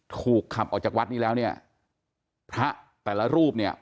ถูกขับออกจากวัดนี้แล้วเนี่ยพระแต่ละรูปเนี่ย